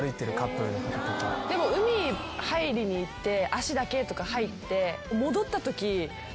でも海入りに行って足だけとか入って。